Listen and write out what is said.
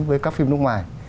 với các phim nước ngoài